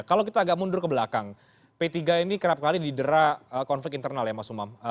kalau kita agak mundur ke belakang p tiga ini kerap kali didera konflik internal ya mas umam